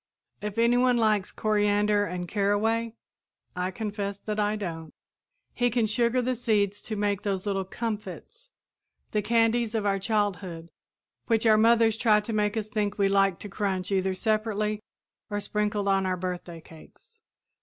If anyone likes coriander and caraway I confess that I don't he can sugar the seeds to make those little "comfits," the candies of our childhood which our mothers tried to make us think we liked to crunch either separately or sprinkled on our birthday cakes.